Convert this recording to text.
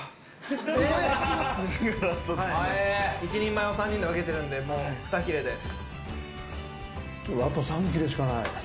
１人前を３人で分けているので、ふた切れです。